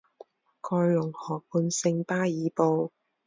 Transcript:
盖隆河畔圣巴尔布。